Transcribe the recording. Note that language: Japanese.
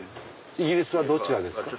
イギリスはどちらですか？